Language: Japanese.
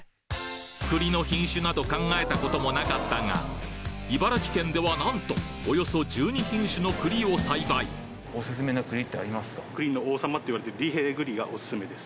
栗の品種など考えたこともなかったが茨城県では何とおよそ１２品種の栗を栽培おすすめです。